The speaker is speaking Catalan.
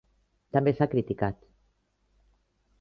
També s'ha criticat.